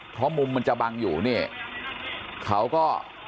เพราะมุมมันจะบังอยู่นี่เขาก็